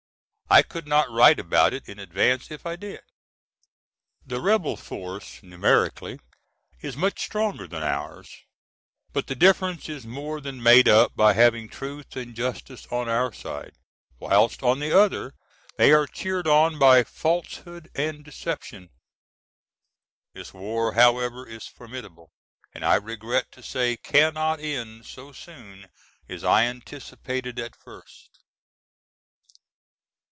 I could not write about it in advance if I did. The rebel force numerically is much stronger than ours, but the difference is more than made up by having truth and justice on our side, whilst on the other they are cheered on by falsehood and deception. This war however is formidable and I regret to say cannot end so soon as I anticipated at first.